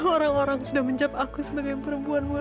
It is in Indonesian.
orang orang sudah menjampak aku sebagai perempuan murah